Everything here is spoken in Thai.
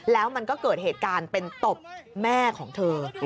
แล้วมันก็เกิดเหตุการณ์เป็นตบแม่ของเธอ